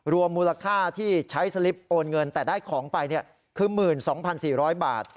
รวมมูลค่าที่ใช้สลิปโอนเงินแต่ได้ของไปคือ๑๒๔๐๐บาท